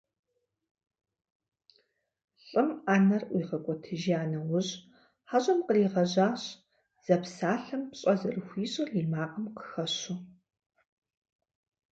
Лӏым Ӏэнэр ӀуигъэкӀуэтыжа нэужь хьэщӏэм къригъэжьащ, зэпсалъэм пщӀэ зэрыхуищӀыр и макъым къыхэщу.